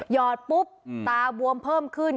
อดปุ๊บตาบวมเพิ่มขึ้น